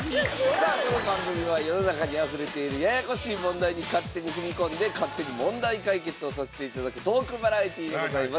さあこの番組は世の中にあふれているややこしい問題に勝手に踏み込んで勝手に問題解決をさせて頂くトークバラエティーでございます。